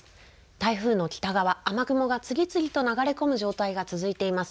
台風の北側、雨雲が次々と流れ込む状態が続いています。